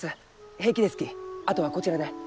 平気ですきあとはこちらで。